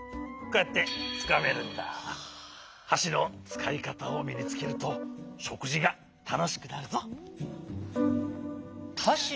はしのつかいかたをみにつけるとしょくじがたのしくなるぞ。